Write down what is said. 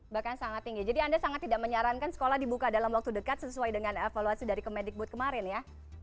bahkan sangat tinggi jadi anda sangat tidak menyarankan sekolah dibuka dalam waktu dekat sesuai dengan evaluasi dari kemedikbud kemarin ya